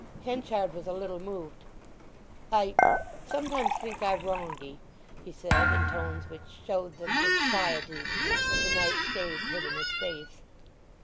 Henchard was a little moved. "I—sometimes think I've wronged 'ee!" he said, in tones which showed the disquietude that the night shades hid in his face.